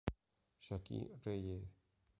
Joaquín Reyes